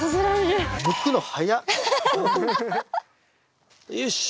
よし。